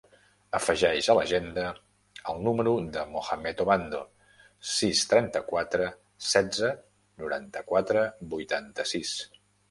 Afegeix a l'agenda el número del Mohammed Obando: sis, trenta-quatre, setze, noranta-quatre, vuitanta-sis.